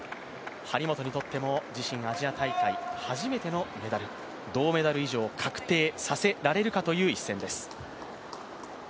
張本にとっても自身アジア大会、初めてのメダル、銅メダル以上を確定させられるかという一戦です。